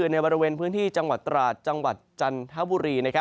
ในบริเวณพื้นที่จังหวัดตราดจันทว์ฮบูรี